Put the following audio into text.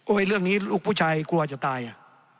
เรื่องนี้ลูกผู้ชายกลัวจะตายอ่ะ